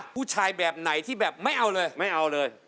ผู้ชายแบบไหนที่แบบไม่เอาเลย